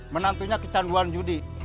menantunya kecanduan judi